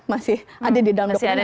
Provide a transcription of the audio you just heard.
masih ada di dalam dokumen